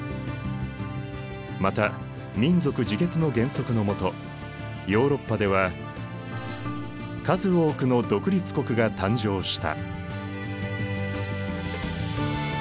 また民族自決の原則のもとヨーロッパでは数多くの独立国が誕生した。